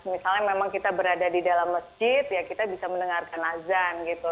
misalnya memang kita berada di dalam masjid ya kita bisa mendengarkan azan gitu